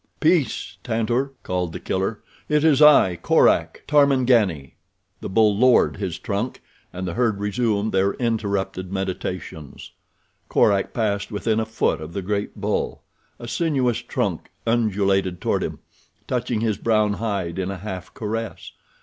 "Peace, Tantor," called The Killer. "It is I, Korak, Tarmangani." The bull lowered his trunk and the herd resumed their interrupted meditations. Korak passed within a foot of the great bull. A sinuous trunk undulated toward him, touching his brown hide in a half caress.